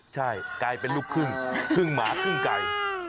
ใช่ไก่เป็นลูกพึ่งพึ่งหมาพึ่งไก่